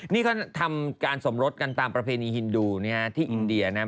นี่เขาทำการสมรสกันตามประเพณีฮินดูที่อินเดียนะครับ